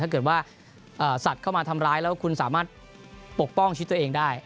ถ้าเกิดว่าสัตว์เข้ามาทำร้ายแล้วคุณสามารถปกป้องชีวิตตัวเองได้